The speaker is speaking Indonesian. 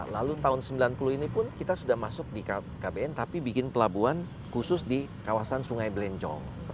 lalu tahun sembilan puluh ini pun kita sudah masuk di kbn tapi bikin pelabuhan khusus di kawasan sungai belencong